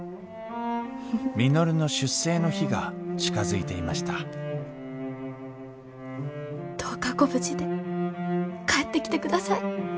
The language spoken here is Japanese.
稔の出征の日が近づいていましたどうかご無事で帰ってきてください。